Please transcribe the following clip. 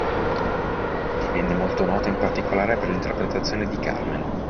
Divenne molto nota in particolare per l'interpretazione di "Carmen".